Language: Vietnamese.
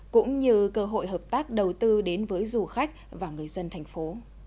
cũng như cơ hội hợp tác đầu tư đến với du khách và người dân thành phố